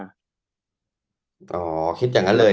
ก็คิดอย่างนั้นเลย